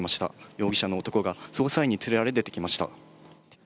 容疑者の男が捜査員に連れられ、出てきました。